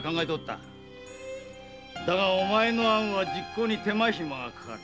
だがお前の案は実行に手間がかかる。